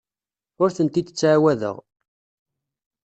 Ur tent-id-ttɛawadeɣ.